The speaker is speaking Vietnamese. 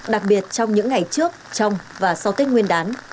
đặc biệt trong những ngày trước trong và sau tết nguyên đán